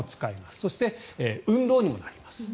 そして、運動にもなります。